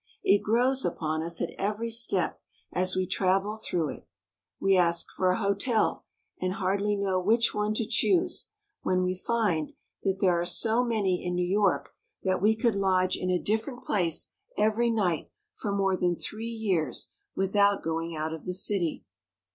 It grows upon us at every step as we travel through it. We ask for a hotel, and hardly know which one to choose when we find that there are so many in New York that we could lodge in a different place every night for more than three years without going out of the city.